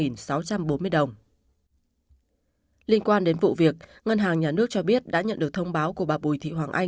liên quan đến vụ việc ngân hàng nhà nước cho biết đã nhận được thông báo của bà bùi thị hoàng anh